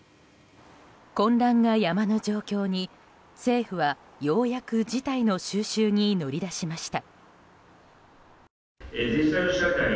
混乱がやまぬ状況に政府はようやく事態の収拾に乗り出しました。